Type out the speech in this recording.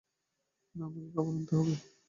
না আমাকে খাবার আনতে যেতে হবে?